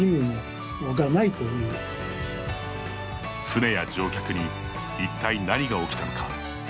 船や乗客に一体何が起きたのか。